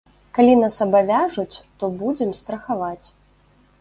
Калі нас абавяжуць, то будзем страхаваць.